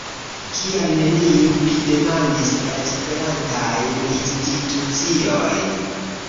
Kial neniu pridemandis la esperantajn instituciojn?